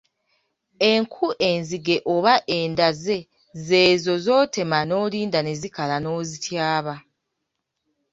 Enku enzige oba endaze z'ezo z'otema n'olinda ne zikala n'ozityaba.